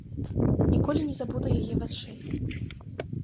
Ніколі не забуду яе вачэй.